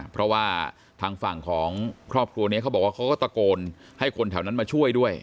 เพราะว่าทางฝั่งของครอบครัวนี้เขาบอกว่าเขาก็ตะโกนให้คนแถวนั้นมาช่วยด้วย